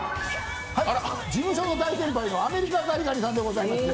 事務所の先輩のアメリカザリガニさんでございます。